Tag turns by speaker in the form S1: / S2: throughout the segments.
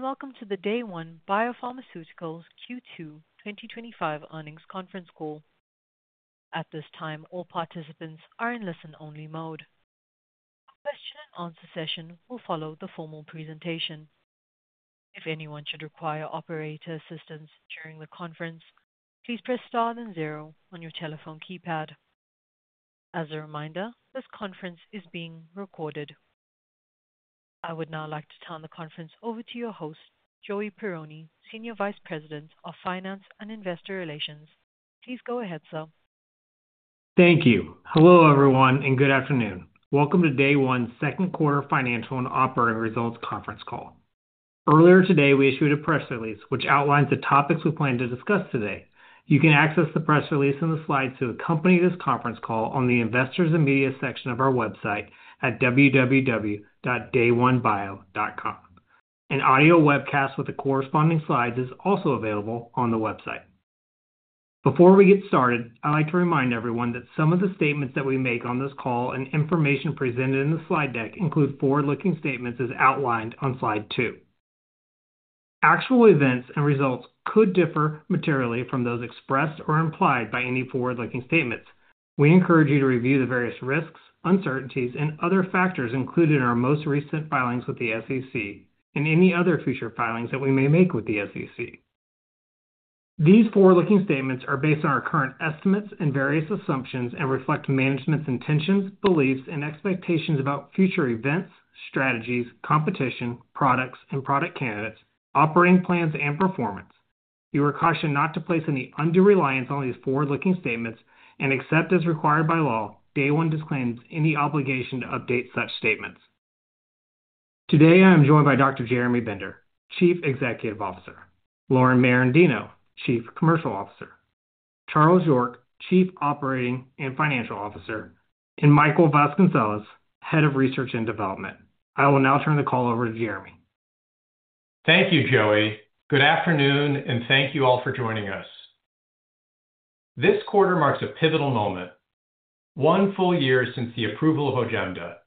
S1: Welcome to the Day One Biopharmaceuticals Q2 2025 Earnings Conference Call. At this time, all participants are in listen-only mode. A question and answer session will follow the formal presentation. If anyone should require operator assistance during the conference, please press star then zero on your telephone keypad. As a reminder, this conference is being recorded. I would now like to turn the conference over to your host, Joey Perrone, Senior Vice President of Finance and Investor Relations. Please go ahead, sir.
S2: Thank you. Hello everyone and good afternoon. Welcome to Day One Biopharmaceuticals' second quarter financial and operating results conference call. Earlier today, we issued a press release which outlines the topics we plan to discuss today. You can access the press release and the slides to accompany this conference call on the Investors and Media section of our website at www.dayonebio.com. An audio webcast with the corresponding slides is also available on the website. Before we get started, I'd like to remind everyone that some of the statements that we make on this call and information presented in the slide deck include forward-looking statements as outlined on slide two. Actual events and results could differ materially from those expressed or implied by any forward-looking statements. We encourage you to review the various risks, uncertainties, and other factors included in our most recent filings with the SEC and any other future filings that we may make with the SEC. These forward-looking statements are based on our current estimates and various assumptions and reflect management's intentions, beliefs, and expectations about future events, strategies, competition, products, and product candidates, operating plans, and performance. You are cautioned not to place any undue reliance on these forward-looking statements and except as required by law. Day One disclaims any obligation to update such statements. Today, I am joined by Dr. Jeremy Bender, Chief Executive Officer; Lauren Merendino, Chief Commercial Officer; Charles York, Chief Operating and Financial Officer; and Michael Vasconcelles, Head of Research and Development. I will now turn the call over to Jeremy.
S3: Thank you, Joey. Good afternoon and thank you all for joining us. This quarter marks a pivotal moment. One full year since the approval of OJEMDA.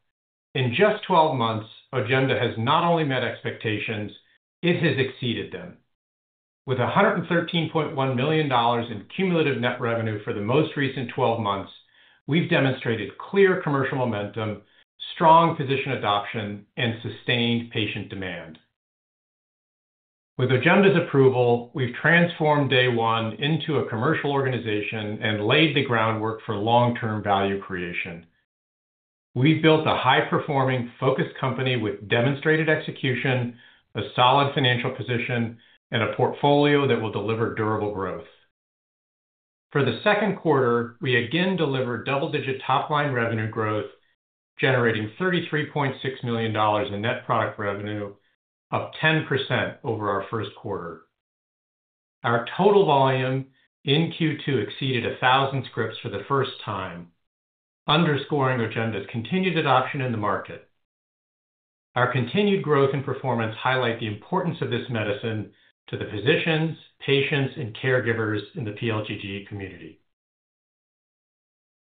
S3: In just 12 months, OJEMDA has not only met expectations, it has exceeded them. With $113.1 million in cumulative net revenue for the most recent 12 months, we've demonstrated clear commercial momentum, strong physician adoption, and sustained patient demand. With OJEMDA's approval, we've transformed Day One into a commercial organization and laid the groundwork for long-term value creation. We've built a high-performing, focused company with demonstrated execution, a solid financial position, and a portfolio that will deliver durable growth. For the second quarter, we again delivered double-digit top-line revenue growth, generating $33.6 million in net product revenue, up 10% over our first quarter. Our total volume in Q2 exceeded 1,000 scripts for the first time, underscoring OJEMDA's continued adoption in the market. Our continued growth and performance highlight the importance of this medicine to the physicians, patients, and caregivers in the pediatric low-grade glioma pLGG community.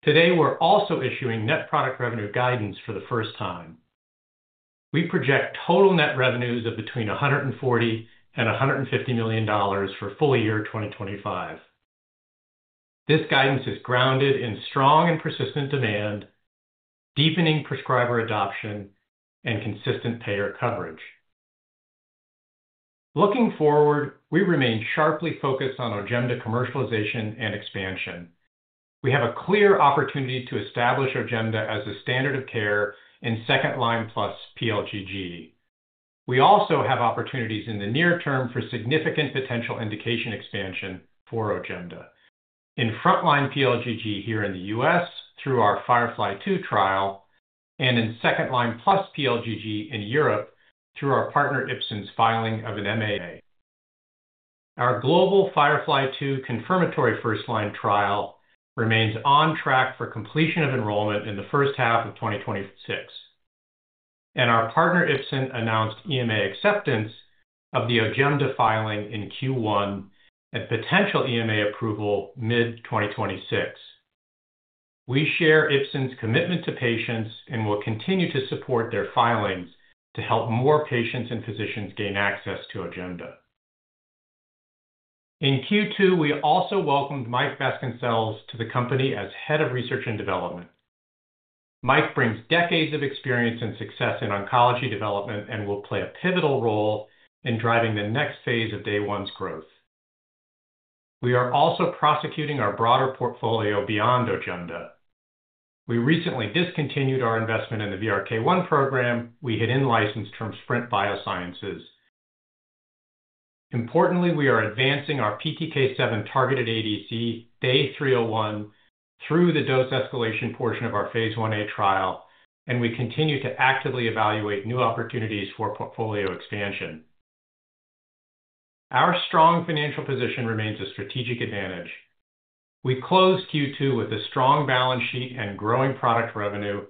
S3: Today, we're also issuing net product revenue guidance for the first time. We project total net revenues of between $140 million and $150 million for full year 2025. This guidance is grounded in strong and persistent demand, deepening prescriber adoption, and consistent payer coverage. Looking forward, we remain sharply focused on OJEMDA commercialization and expansion. We have a clear opportunity to establish OJEMDA as a standard of care in second-line-plus pLGG. We also have opportunities in the near term for significant potential indication expansion for OJEMDA in front-line pLGG here in the U.S. through our FIREFLY-2 trial and in second-line-plus pLGG in Europe through our partner Ipsen's filing of an MAA. Our global FIREFLY-2 confirmatory first-line trial remains on track for completion of enrollment in the first half of 2026. Our partner Ipsen announced EMA acceptance of the OJEMDA filing in Q1 and potential EMA approval mid-2026. We share Ipsen's commitment to patients and will continue to support their filings to help more patients and physicians gain access to OJEMDA. In Q2, we also welcomed Mike Vasconcelles to the company as Head of Research and Development. Mike brings decades of experience and success in oncology development and will play a pivotal role in driving the next phase of Day One growth. We are also prosecuting our broader portfolio beyond OJEMDA. We recently discontinued our investment in the VRK1 program we had in-licensed from Sprint Biosciences. Importantly, we are advancing our PTK7-targeted ADC, DAY301, through the dose escalation portion of our Phase 1A trial, and we continue to actively evaluate new opportunities for portfolio expansion. Our strong financial position remains a strategic advantage. We closed Q2 with a strong balance sheet and growing product revenue,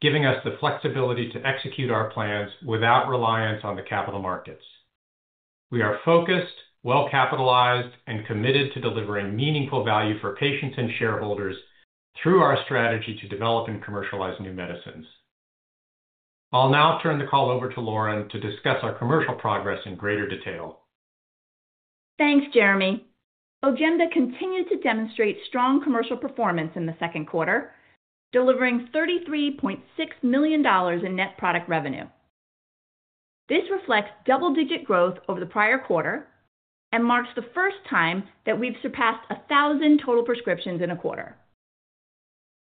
S3: giving us the flexibility to execute our plans without reliance on the capital markets. We are focused, well-capitalized, and committed to delivering meaningful value for patients and shareholders through our strategy to develop and commercialize new medicines. I'll now turn the call over to Lauren to discuss our commercial progress in greater detail.
S4: Thanks, Jeremy. OJEMDA continued to demonstrate strong commercial performance in the second quarter, delivering $33.6 million in net product revenue. This reflects double-digit growth over the prior quarter and marks the first time that we've surpassed 1,000 total prescriptions in a quarter.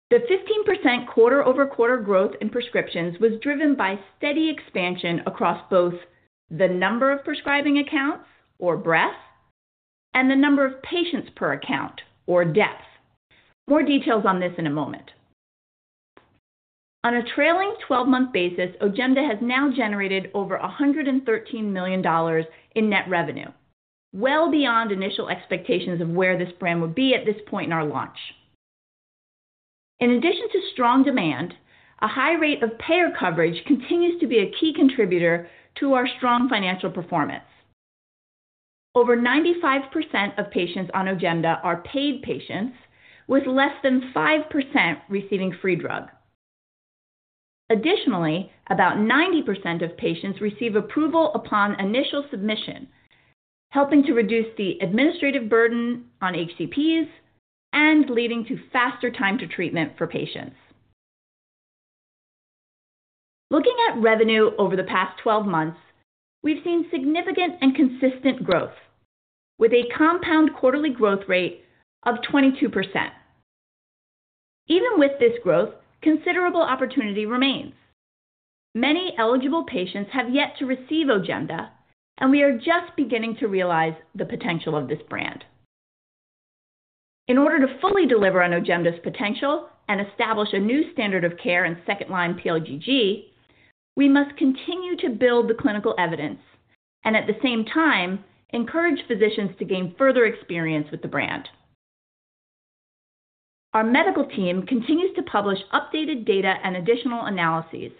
S4: The 15% quarter-over-quarter growth in prescriptions was driven by steady expansion across both the number of prescribing accounts, or breadth, and the number of patients per account, or depth. More details on this in a moment. On a trailing 12-month basis, OJEMDA has now generated over $113 million in net revenue, well beyond initial expectations of where this brand would be at this point in our launch. In addition to strong demand, a high rate of payer coverage continues to be a key contributor to our strong financial performance. Over 95% of patients on OJEMDA are paid patients, with less than 5% receiving free drug. Additionally, about 90% of patients receive approval upon initial submission, helping to reduce the administrative burden on HCPs and leading to faster time to treatment for patients. Looking at revenue over the past 12 months, we've seen significant and consistent growth, with a compound quarterly growth rate of 22%. Even with this growth, considerable opportunity remains. Many eligible patients have yet to receive OJEMDA, and we are just beginning to realize the potential of this brand. In order to fully deliver on OJEMDA's potential and establish a new standard of care in second-line pLGG, we must continue to build the clinical evidence and, at the same time, encourage physicians to gain further experience with the brand. Our medical team continues to publish updated data and additional analyses,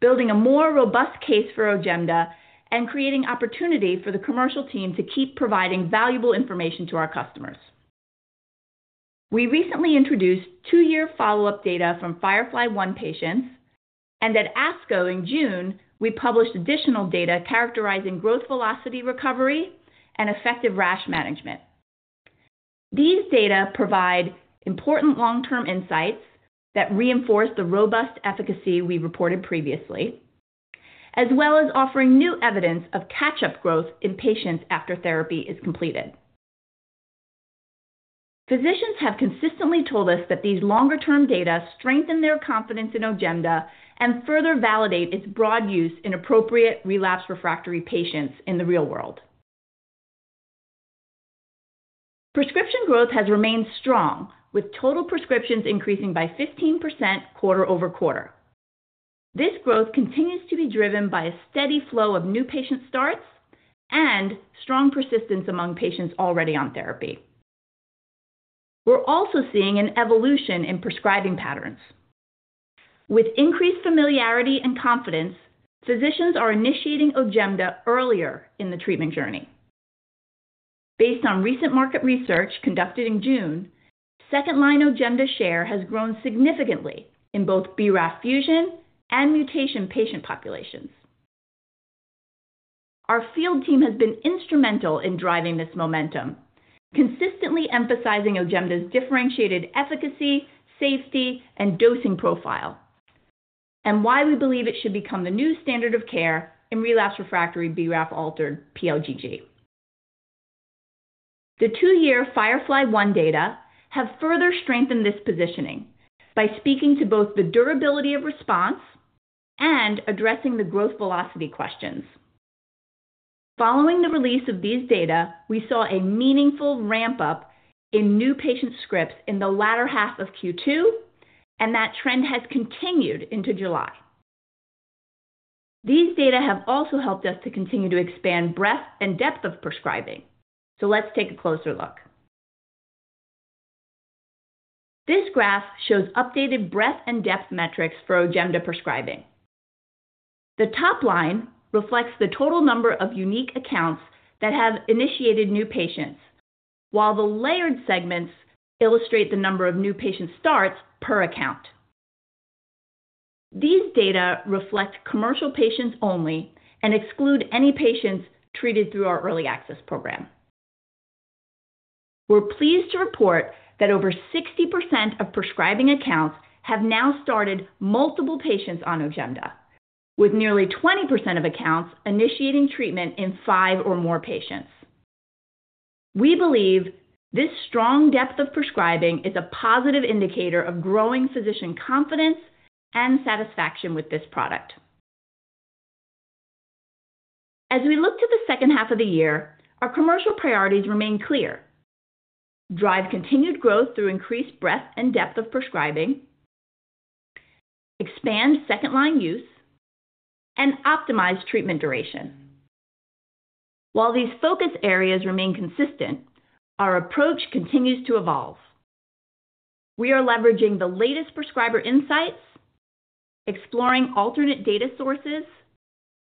S4: building a more robust case for OJEMDA and creating opportunity for the commercial team to keep providing valuable information to our customers. We recently introduced two-year follow-up data from FIREFLY-1 patients, and at ASCO in June, we published additional data characterizing growth velocity recovery and effective rash management. These data provide important long-term insights that reinforce the robust efficacy we reported previously, as well as offering new evidence of catch-up growth in patients after therapy is completed. Physicians have consistently told us that these longer-term data strengthen their confidence in OJEMDA and further validate its broad use in appropriate relapse refractory patients in the real world. Prescription growth has remained strong, with total prescriptions increasing by 15% quarter-over-quarter. This growth continues to be driven by a steady flow of new patient starts and strong persistence among patients already on therapy. We're also seeing an evolution in prescribing patterns. With increased familiarity and confidence, physicians are initiating OJEMDA earlier in the treatment journey. Based on recent market research conducted in June, second-line OJEMDA share has grown significantly in both BRAF fusion and mutation patient populations. Our field team has been instrumental in driving this momentum, consistently emphasizing OJEMDA's differentiated efficacy, safety, and dosing profile, and why we believe it should become the new standard of care in relapse refractory BRAF-altered pLGG. The two-year FIREFLY-1 data have further strengthened this positioning by speaking to both the durability of response and addressing the growth velocity questions. Following the release of these data, we saw a meaningful ramp-up in new patient scripts in the latter half of Q2, and that trend has continued into July. These data have also helped us to continue to expand breadth and depth of prescribing. Let's take a closer look. This graph shows updated breadth and depth metrics for OJEMDA prescribing. The top line reflects the total number of unique accounts that have initiated new patients, while the layered segments illustrate the number of new patient starts per account. These data reflect commercial patients only and exclude any patients treated through our early access program. We're pleased to report that over 60% of prescribing accounts have now started multiple patients on OJEMDA, with nearly 20% of accounts initiating treatment in five or more patients. We believe this strong depth of prescribing is a positive indicator of growing physician confidence and satisfaction with this product. As we look to the second half of the year, our commercial priorities remain clear: drive continued growth through increased breadth and depth of prescribing, expand second-line use, and optimize treatment duration. While these focus areas remain consistent, our approach continues to evolve. We are leveraging the latest prescriber insights, exploring alternate data sources,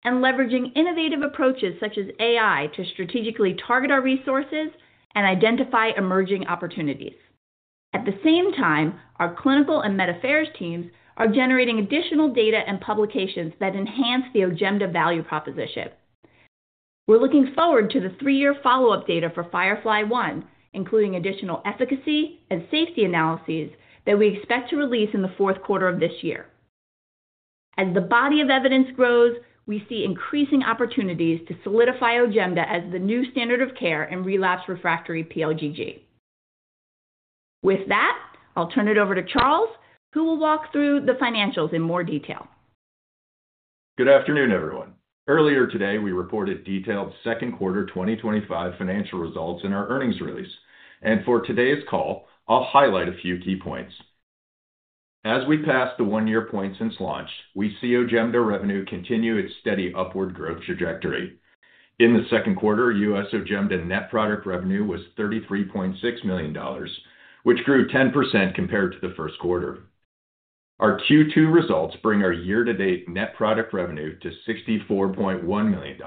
S4: and leveraging innovative approaches such as AI to strategically target our resources and identify emerging opportunities. At the same time, our clinical and med affairs teams are generating additional data and publications that enhance the OJEMDA value proposition. We're looking forward to the three-year follow-up data for FIREFLY-1, including additional efficacy and safety analyses that we expect to release in the fourth quarter of this year. As the body of evidence grows, we see increasing opportunities to solidify OJEMDA as the new standard of care in relapsed refractory pediatric low-grade glioma. With that, I'll turn it over to Charles, who will walk through the financials in more detail.
S5: Good afternoon, everyone. Earlier today, we reported detailed second quarter 2025 financial results in our earnings release. For today's call, I'll highlight a few key points. As we pass the one-year point since launch, we see OJEMDA revenue continue its steady upward growth trajectory. In the second quarter, U.S. OJEMDA net product revenue was $33.6 million, which grew 10% compared to the first quarter. Our Q2 results bring our year-to-date net product revenue to $64.1 million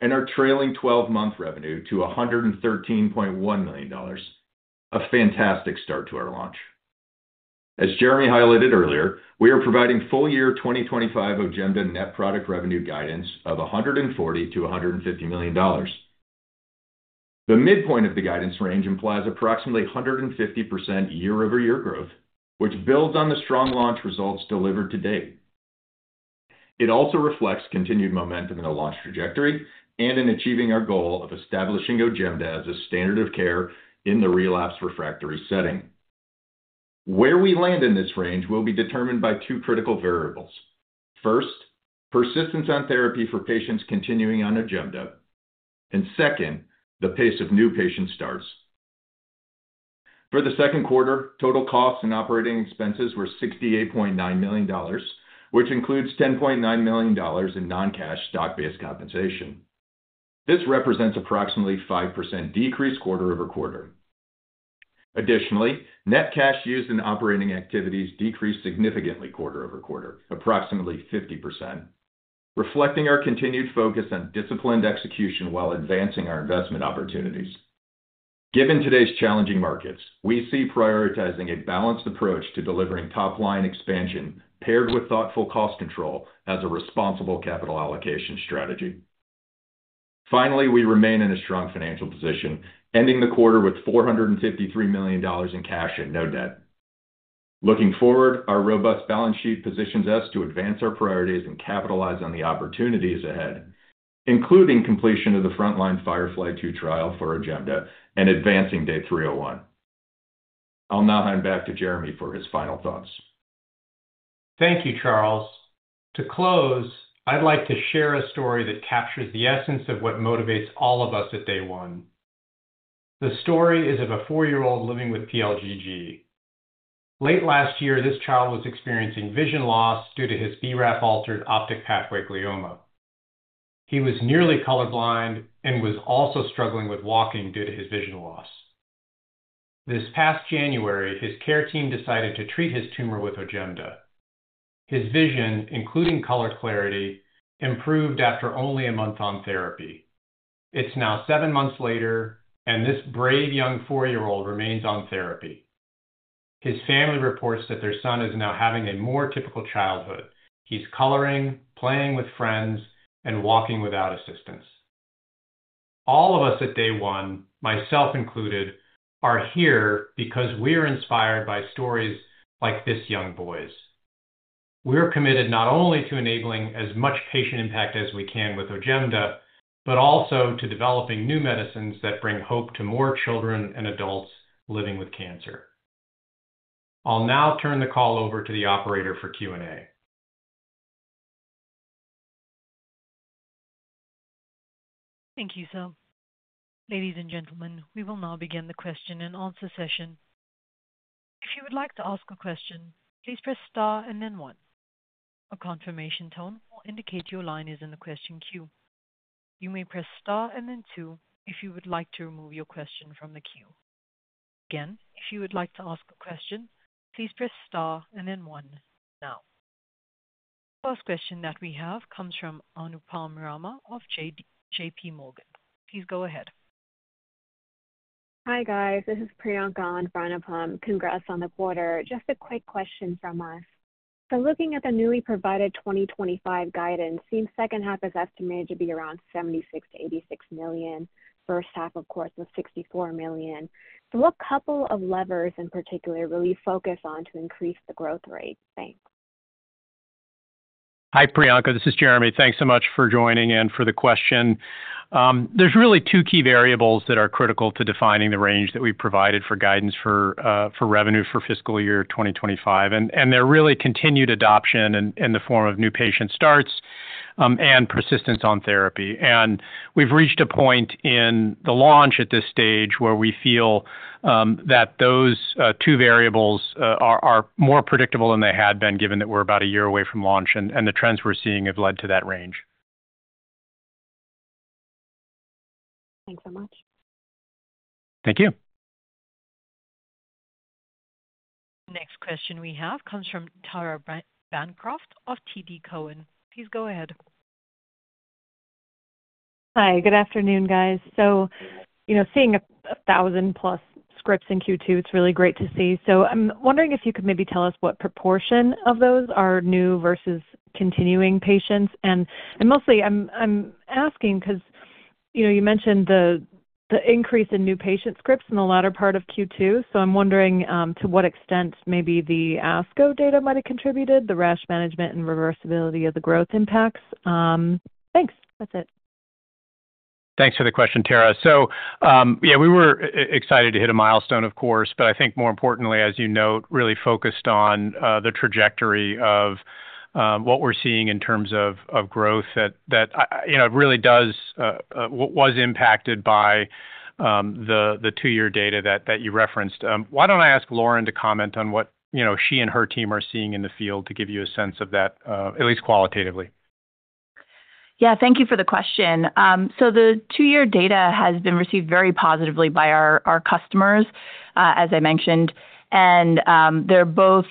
S5: and our trailing 12-month revenue to $113.1 million, a fantastic start to our launch. As Jeremy highlighted earlier, we are providing full-year 2025 OJEMDA net product revenue guidance of $140 million-$150 million. The midpoint of the guidance range implies approximately 150% year-over-year growth, which builds on the strong launch results delivered to date. It also reflects continued momentum in our launch trajectory and in achieving our goal of establishing OJEMDA as a standard of care in the relapsed refractory setting. Where we land in this range will be determined by two critical variables. First, persistence on therapy for patients continuing on OJEMDA, and second, the pace of new patient starts. For the second quarter, total costs and operating expenses were $68.9 million, which includes $10.9 million in non-cash stock-based compensation. This represents approximately a 5% decrease quarter-over-quarter. Additionally, net cash used in operating activities decreased significantly quarter-over-quarter, approximately 50%, reflecting our continued focus on disciplined execution while advancing our investment opportunities. Given today's challenging markets, we see prioritizing a balanced approach to delivering top-line expansion paired with thoughtful cost control as a responsible capital allocation strategy. Finally, we remain in a strong financial position, ending the quarter with $453 million in cash and no debt. Looking forward, our robust balance sheet positions us to advance our priorities and capitalize on the opportunities ahead, including completion of the front-line FIREFLY-2 trial for OJEMDA and advancing DAY301. I'll now hand back to Jeremy for his final thoughts.
S3: Thank you, Charles. To close, I'd like to share a story that captures the essence of what motivates all of us at Day One. The story is of a four-year-old living with pLGG. Late last year, this child was experiencing vision loss due to his BRAF-altered optic pathway glioma. He was nearly colorblind and was also struggling with walking due to his vision loss. This past January, his care team decided to treat his tumor with OJEMDA. His vision, including color clarity, improved after only a month on therapy. It's now seven months later, and this brave young four-year-old remains on therapy. His family reports that their son is now having a more typical childhood. He's coloring, playing with friends, and walking without assistance. All of us at Day One, myself included, are here because we are inspired by stories like this young boy's. We're committed not only to enabling as much patient impact as we can with OJEMDA, but also to developing new medicines that bring hope to more children and adults living with cancer. I'll now turn the call over to the operator for Q&A.
S1: Thank you, sir. Ladies and gentlemen, we will now begin the question and answer session. If you would like to ask a question, please press star and then one. A confirmation tone will indicate your line is in the question queue. You may press star and then two if you would like to remove your question from the queue. Again, if you would like to ask a question, please press star and then one now. First question that we have comes from Anupam Rama of JP Morgan. Please go ahead.
S6: Hi guys, this is Priyanka and Anupam Congrats on the quarter. Just a quick question from us. Looking at the newly provided 2025 guidance, seems second half is estimated to be around $76 million-$86 million. First half, of course, was $64 million. What couple of levers in particular will you focus on to increase the growth rate? Thanks.
S3: Hi Priyanka, this is Jeremy. Thanks so much for joining and for the question. There are really two key variables that are critical to defining the range that we've provided for guidance for revenue for fiscal year 2025, and they're really continued adoption in the form of new patient starts and persistence on therapy. We've reached a point in the launch at this stage where we feel that those two variables are more predictable than they had been, given that we're about a year away from launch and the trends we're seeing have led to that range.
S6: Thanks so much.
S3: Thank you.
S1: Next question we have comes from Tara Bancroft of TD Cowen. Please go ahead.
S7: Hi, good afternoon guys. You know, seeing a thousand plus scripts in Q2, it's really great to see. I'm wondering if you could maybe tell us what proportion of those are new versus continuing patients. Mostly I'm asking because you mentioned the increase in new patient scripts in the latter part of Q2. I'm wondering to what extent maybe the ASCO data might have contributed, the rash management and reversibility of the growth impacts. Thanks, that's it.
S3: Thanks for the question, Tara. We were excited to hit a milestone, of course, but I think more importantly, as you note, really focused on the trajectory of what we're seeing in terms of growth that was impacted by the two-year data that you referenced. Why don't I ask Lauren to comment on what she and her team are seeing in the field to give you a sense of that, at least qualitatively.
S4: Thank you for the question. The two-year data has been received very positively by our customers, as I mentioned, and they're both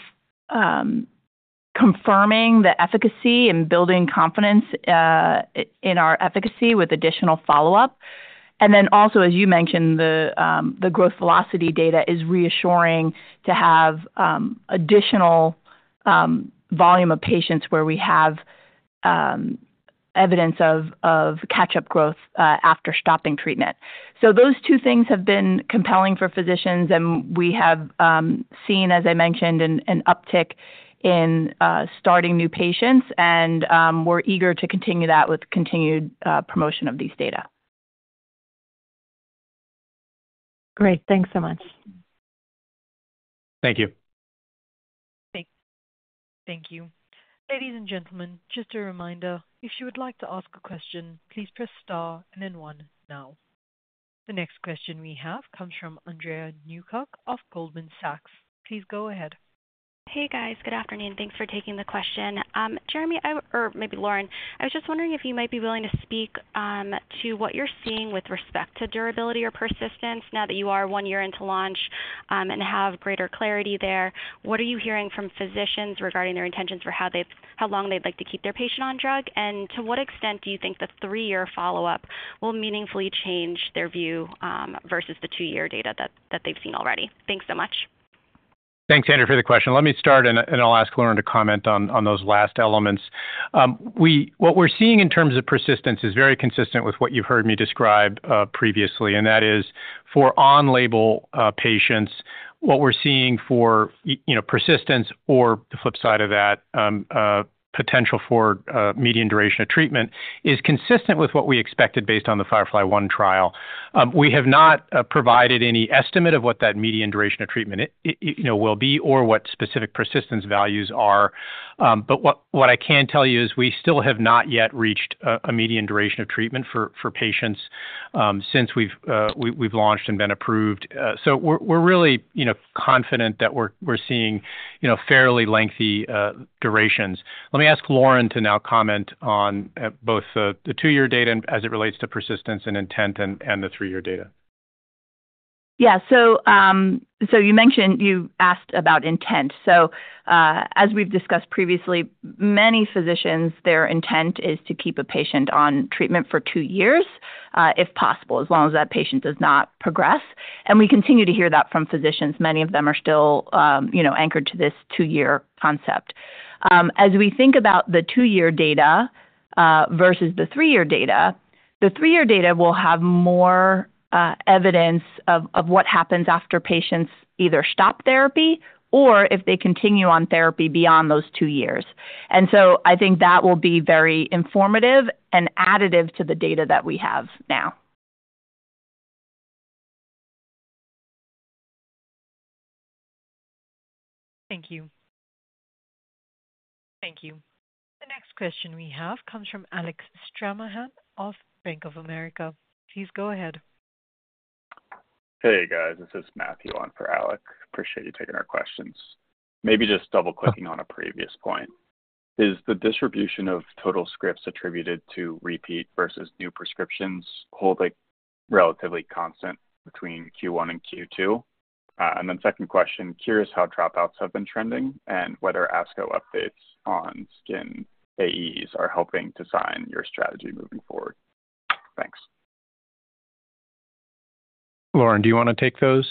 S4: confirming the efficacy and building confidence in our efficacy with additional follow-up. Also, as you mentioned, the growth velocity data is reassuring to have additional volume of patients where we have evidence of catch-up growth after stopping treatment. Those two things have been compelling for physicians, and we have seen, as I mentioned, an uptick in starting new patients, and we're eager to continue that with continued promotion of these data.
S7: Great, thanks so much.
S3: Thank you.
S1: Ladies and gentlemen, just a reminder, if you would like to ask a question, please press star and then one now. The next question we have comes from Andrea Newkirk of Goldman Sachs. Please go ahead.
S8: Hey guys, good afternoon. Thanks for taking the question. Jeremy, or maybe Lauren, I was just wondering if you might be willing to speak to what you're seeing with respect to durability or persistence now that you are one year into launch and have greater clarity there. What are you hearing from physicians regarding their intentions for how long they'd like to keep their patient on drug, and to what extent do you think the three-year follow-up will meaningfully change their view versus the two-year data that they've seen already? Thanks so much.
S3: Thanks, Andrea, for the question. Let me start, and I'll ask Lauren to comment on those last elements. What we're seeing in terms of persistence is very consistent with what you've heard me describe previously, and that is for on-label patients, what we're seeing for, you know, persistence or the flip side of that, potential for median duration of treatment is consistent with what we expected based on the FIREFLY-1 trial. We have not provided any estimate of what that median duration of treatment will be or what specific persistence values are, but what I can tell you is we still have not yet reached a median duration of treatment for patients since we've launched and been approved. We're really, you know, confident that we're seeing, you know, fairly lengthy durations. Let me ask Lauren to now comment on both the two-year data as it relates to persistence and intent and the three-year data.
S4: You mentioned you asked about intent. As we've discussed previously, many physicians, their intent is to keep a patient on treatment for two years, if possible, as long as that patient does not progress. We continue to hear that from physicians. Many of them are still anchored to this two-year concept. As we think about the two-year data versus the three-year data, the three-year data will have more evidence of what happens after patients either stop therapy or if they continue on therapy beyond those two years. I think that will be very informative and additive to the data that we have now.
S1: The next question we have comes from Alec Stranahan of Bank of America. Please go ahead. Hey guys, this is Matthew on for Alec. Appreciate you taking our questions. Maybe just double-clicking on a previous point. Is the distribution of total scripts attributed to repeat versus new prescriptions holding relatively constant between Q1 and Q2? Second question, curious how dropouts have been trending and whether ASCO updates on skin AEs are helping design your strategy moving forward. Thanks.
S3: Lauren, do you want to take those?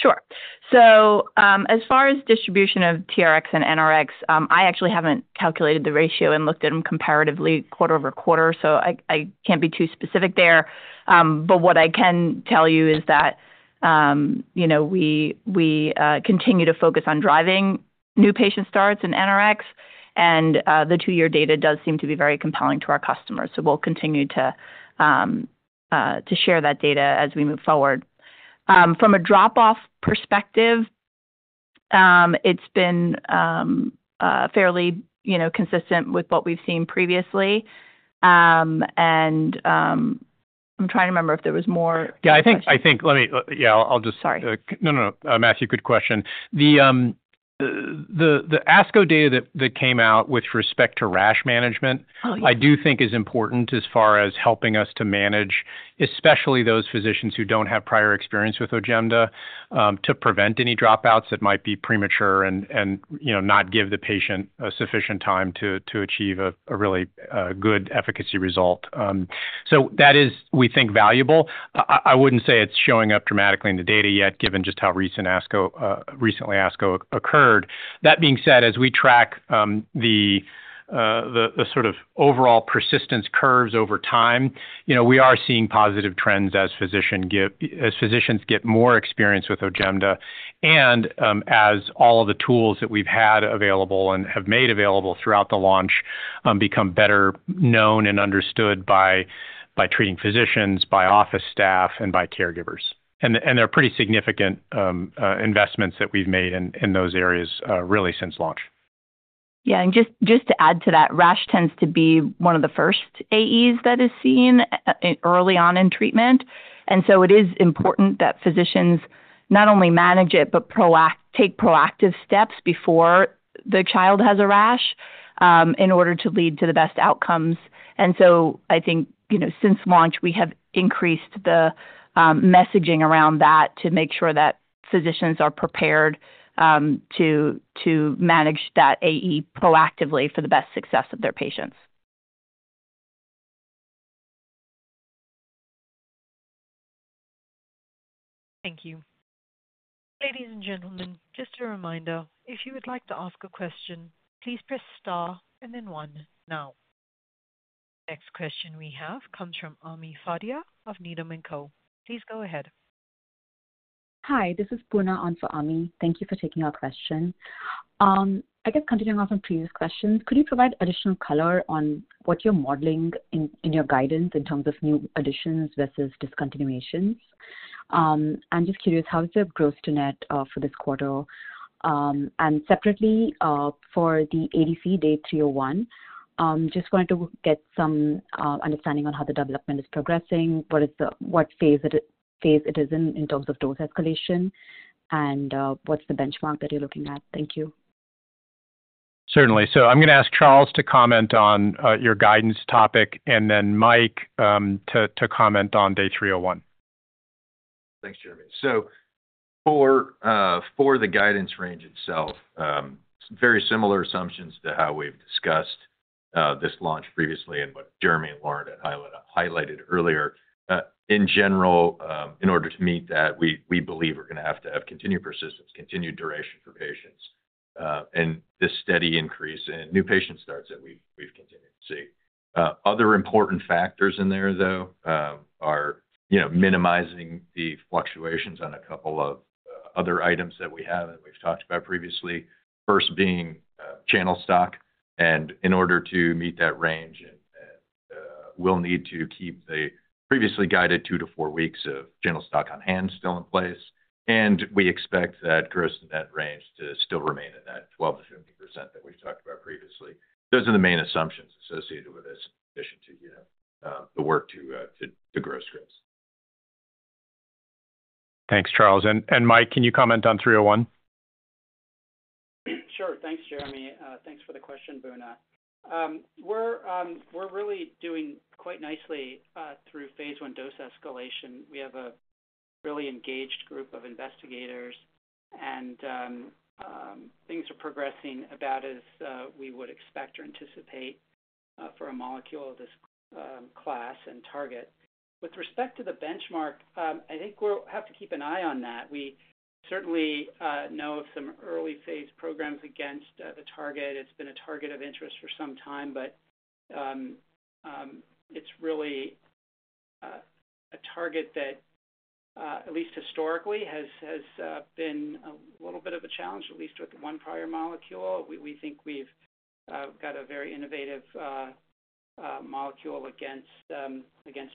S4: Sure. As far as distribution of TRx and NRx, I actually haven't calculated the ratio and looked at them comparatively quarter over quarter, so I can't be too specific there. What I can tell you is that we continue to focus on driving new patient starts and NRx, and the two-year data does seem to be very compelling to our customers. We'll continue to share that data as we move forward. From a drop-off perspective, it's been fairly consistent with what we've seen previously. I'm trying to remember if there was more.
S3: Yeah, I think, let me, I'll just.
S4: Sorry.
S3: Matthew, good question. The ASCO data that came out with respect to rash management, I do think is important as far as helping us to manage, especially those physicians who don't have prior experience with OJEMDA, to prevent any dropouts that might be premature and not give the patient sufficient time to achieve a really good efficacy result. That is, we think, valuable. I wouldn't say it's showing up dramatically in the data yet, given just how recently ASCO occurred. That being said, as we track the sort of overall persistence curves over time, we are seeing positive trends as physicians get more experience with OJEMDA, and as all of the tools that we've had available and have made available throughout the launch become better known and understood by treating physicians, by office staff, and by caregivers. They're pretty significant investments that we've made in those areas really since launch.
S4: Yeah, just to add to that, rash tends to be one of the first AEs that is seen early on in treatment. It is important that physicians not only manage it, but take proactive steps before the child has a rash in order to lead to the best outcomes. I think, you know, since launch, we have increased the messaging around that to make sure that physicians are prepared to manage that AE proactively for the best success of their patients.
S1: Ladies and gentlemen, just a reminder, if you would like to ask a question, please press star and then one now. Next question we have comes from Amy Fadia of Needham & Co. Please go ahead.
S9: Hi, this is Poorna on for Amy. Thank you for taking our question. I guess continuing on from previous questions, could you provide additional color on what you're modeling in your guidance in terms of new additions versus discontinuations? I'm just curious, how is the growth to net for this quarter? Separately, for the ADC DAY301, I just wanted to get some understanding on how the development is progressing, what phase it is in in terms of dose escalation, and what's the benchmark that you're looking at? Thank you.
S3: Certainly. I'm going to ask Charles to comment on your guidance topic, and then Mike to comment on DAY301.
S5: Thanks, Jeremy. For the guidance range itself, very similar assumptions to how we've discussed this launch previously and what Jeremy and Lauren had highlighted earlier. In general, in order to meet that, we believe we're going to have to have continued persistence, continued duration for patients, and this steady increase in new patient starts that we've continued to see. Other important factors in there, though, are minimizing the fluctuations on a couple of other items that we have that we've talked about previously. First being channel stock, and in order to meet that range, we'll need to keep the previously guided two to four weeks of channel stock on hand still in place. We expect that gross net range to still remain at that 12%-15% that we've talked about previously. Those are the main assumptions associated with this addition to the work to the growth scripts.
S3: Thanks, Charles. Mike, can you comment on 301?
S10: Sure. Thanks, Jeremy. Thanks for the question, Poorna. We're really doing quite nicely through Phase 1A dose escalation. We have a really engaged group of investigators, and things are progressing about as we would expect or anticipate for a molecule of this class and target. With respect to the benchmark, I think we'll have to keep an eye on that. We certainly know of some early phase programs against the target. It's been a target of interest for some time, but it's really a target that, at least historically, has been a little bit of a challenge, at least with one prior molecule. We think we've got a very innovative molecule against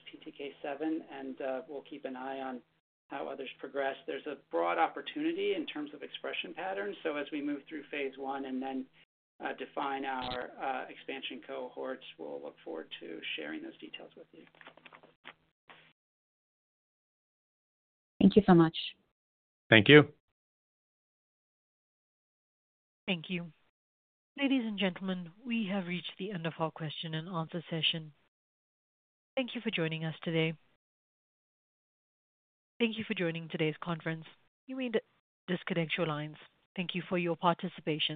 S10: PTK7, and we'll keep an eye on how others progress. There's a broad opportunity in terms of expression patterns. As we move through Phase 1A and then define our expansion cohorts, we'll look forward to sharing those details with you.
S5: Thank you.
S1: Thank you. Ladies and gentlemen, we have reached the end of our question and answer session. Thank you for joining us today. Thank you for joining today's conference. You made it. Disconnect your lines. Thank you for your participation.